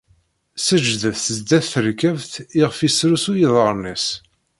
Seǧǧdet sdat terkabt iɣef isrusu iḍarren-is.